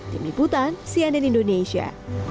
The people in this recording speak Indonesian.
tim liputan cnn indonesia